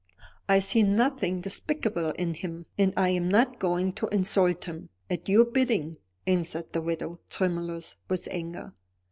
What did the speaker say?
"I see nothing despicable in him, and I am not going to insult him at your bidding," answered the widow, tremulous with anger.